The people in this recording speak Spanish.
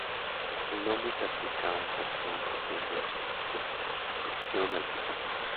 El nombre se aplica a un taxón que tenga en su circunscripción al tipo.